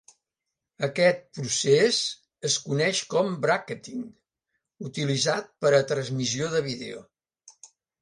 Aquest procés es coneix com bràqueting, utilitzat per a transmissió de vídeo.